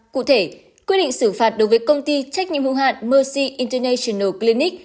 cụ thể quyết định xử phạt đối với công ty trách nhiệm hữu hạn mercy international clinic